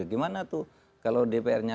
gimana tuh kalau dpr nya